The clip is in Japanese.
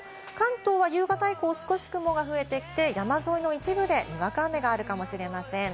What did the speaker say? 関東は夕方以降、少し雲が増えて、山沿いの一部でにわか雨があるかもしれません。